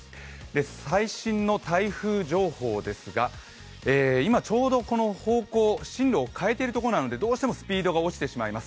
最新の台風情報ですが、今、ちょうど方向、進路を変えているところなのでどうしてもスピードが落ちてしまいます。